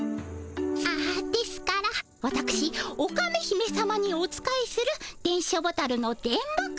あっですからわたくしオカメ姫さまにお仕えする電書ボタルの電ボ子にございます。